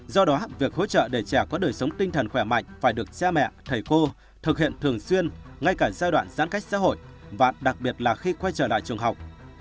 do đó việc hỗ trợ để trẻ có đời sống tinh thần khỏe mạnh phải được cha mẹ thầy cô thực hiện thường xuyên ngay cả giai đoạn giãn cách xã hội và đặc biệt là khi quay trở lại trường học